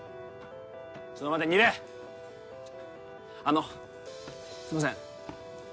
ちょっと待て楡あのすいません